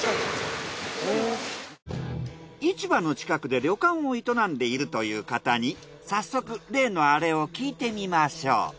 市場の近くで旅館を営んでいるという方に早速例のアレを聞いてみましょう。